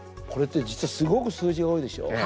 これって実はすごく数字が多いでしょ。